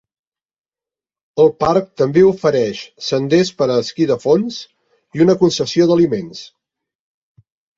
El parc també ofereix senders per a esquí de fons i una concessió d'aliments.